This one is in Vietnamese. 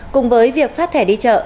cùng với việc phát thẻ đi chợ